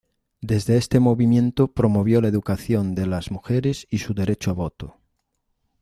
Desde este movimiento promovió la educación de las mujeres y su derecho a voto.